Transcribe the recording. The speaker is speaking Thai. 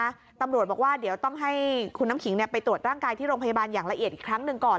อ๋อเป็นไปแล้วนะตำรวจบอกว่าเดี๋ยวคุณน้ำขิงต้องยังตรวจร่างกายที่โรงพยาบาลอีกครั้งหนึ่งก่อน